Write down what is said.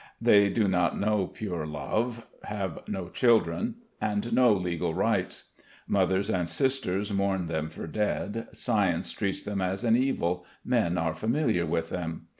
They do not know pure love, have no children and no legal rights; mothers and sisters mourn them for dead, science treats them as an evil, men are familiar with them.